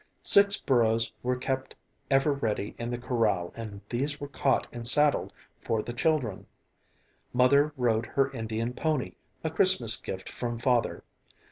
Six burros were kept ever ready in the corral and these were caught and saddled for the children. Mother rode her Indian pony, a Christmas gift from Father.